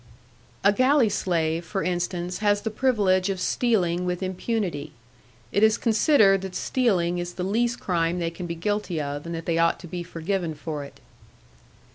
A galley slave, for instance, has the privilege of stealing with impunity. It is considered that stealing is the least crime they can be guilty of, and that they ought to be forgiven for it.